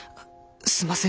すんません